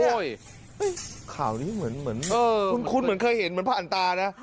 ข่าวนี้เหมือนคุ้นเหมือนเคยเห็นเหมือนผ่านตานะ